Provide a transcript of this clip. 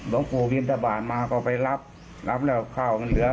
ลงปู่พิมพ์ตะบาลมาก็ไปรับรับแล้วเข้ามันเหลือ